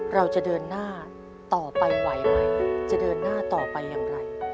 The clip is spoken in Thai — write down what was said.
เราจะเดินหน้าต่อไปไหวไหมจะเดินหน้าต่อไปอย่างไร